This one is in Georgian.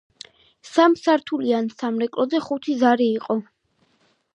სამსართულიან სამრეკლოზე ხუთი ზარი იყო.